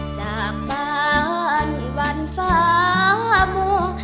จากบ้านวันฟ้ามัว